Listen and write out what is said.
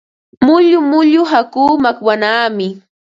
Mullu mullu hakuu makwanaami.